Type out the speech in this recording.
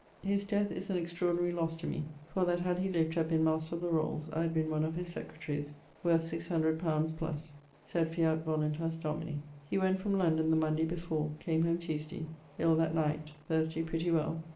His death is an extraordinary losse to me, for that had he lived to have been Master of the Rolles I had been one of his secretarys, worth 600 li. +: sed fiat voluntas Domini. He went from London the Monday before; came home Tuesday; ill that night. Thursday pretty well.